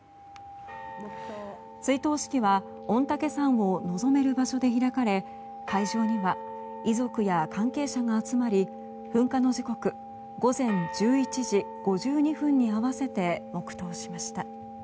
追悼式は御岳山を望める場所で開かれ会場には遺族や関係者が集まり噴火の時刻、午前１１時５２分に合わせて黙祷しました。